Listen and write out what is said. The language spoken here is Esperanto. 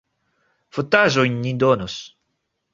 Fotaĵojn ni donos.